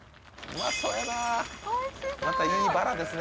またいいバラですね